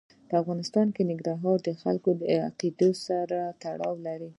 په افغانستان کې ننګرهار د خلکو د اعتقاداتو سره تړاو لري.